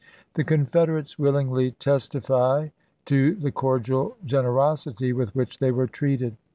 The Confederates willingly testify to the cordial gen erosity with which they were treated.